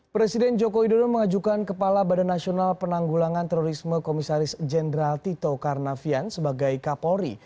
presiden joko widodo mengajukan kepala badan nasional penanggulangan terorisme komisaris jenderal tito karnavian sebagai kapolri